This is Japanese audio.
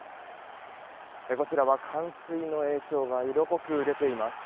こちらは冠水の影響が色濃く出ています。